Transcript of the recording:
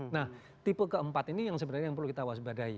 nah tipe keempat ini yang sebenarnya yang perlu kita waspadai